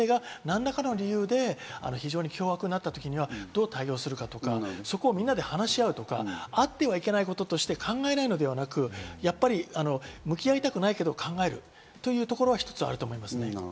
例えば自分の同級生が何らかの理由で、非常に凶悪な目にあったときには、どう対応するかなど、みんなで話し合うとか、あってはいけないこととして考えないのではなく、向き合いたくないけど、考えるというところが一つあると思いますね。